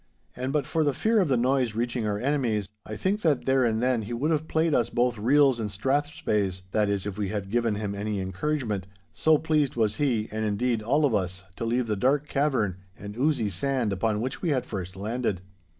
And but for the fear of the noise reaching our enemies, I think that there and then he would have played us both reels and strathspeys—that is, if we had given him any encouragement, so pleased was he, and, indeed, all of us, to leave the dark cavern and oozy sand upon which we had first landed.